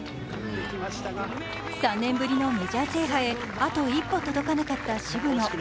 ３年ぶりのメジャー制覇へあと一歩届かなかった渋野。